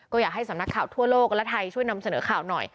ก็อยากให้สำนักข่าวทั่วโลกและไทยช่วยนำเสนอข่าวหน่อย